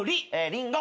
リンゴ。